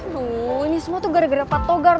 aduh ini semua tuh gara gara patogar